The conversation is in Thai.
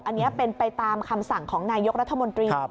อันนี้เป็นไปตามคำสั่งของนายกรัฐมนตรี